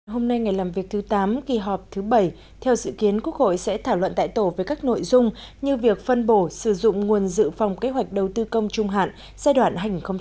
hôm nay ngày làm việc thứ tám kỳ họp thứ bảy theo dự kiến quốc hội sẽ thảo luận tại tổ về các nội dung như việc phân bổ sử dụng nguồn dự phòng kế hoạch đầu tư công trung hạn giai đoạn hai nghìn hai mươi một hai nghìn hai mươi